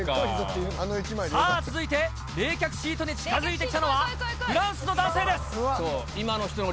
さあ、続いて、冷却シートに近づいてきたのは、フランスの男性です。